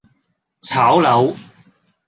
炒樓